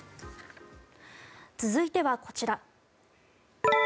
続いてはこちら。